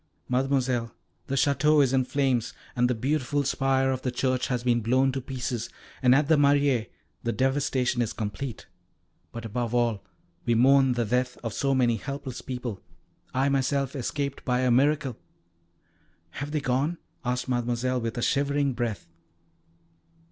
Mademoiselle, the Château is in flames, and the beautiful spire of the church has been blown to pieces, and at the Mairie the devastation is complete. But, above all, we mourn the death of so many helpless people I myself escaped by a miracle." "Have they gone?" asked Mademoiselle, with a shivering breath.